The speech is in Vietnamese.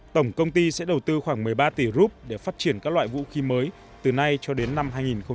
tổng công ty sẽ đầu tư khoảng một mươi ba tỷ rup để phát triển các loại vũ khí mới từ nay cho đến năm hai nghìn hai mươi